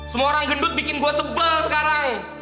semua orang gendut bikin gue sebel sekarang